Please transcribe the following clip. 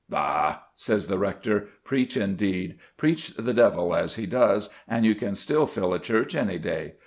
"Psha!" says the rector, "preach, indeed! Preach the Devil as he does, and you can fill a church any day!